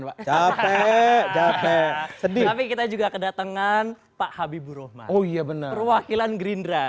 pak capek capek sedih kita juga kedatengan pak habibur oh iya bener wakilan gerindra